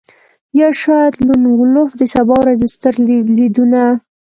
یا شاید لون وولف د سبا ورځې ستر لیدونه